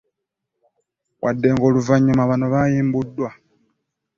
Wadde ng'oluvannyuma bano bayimbuddwa.